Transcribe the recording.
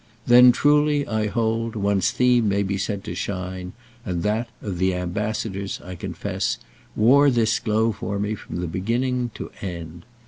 Then truly, I hold, one's theme may be said to shine, and that of "The Ambassadors," I confess, wore this glow for me from beginning to end.